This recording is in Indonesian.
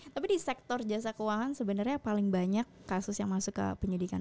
tapi di sektor jasa keuangan sebenarnya paling banyak kasus yang masuk ke penyidikan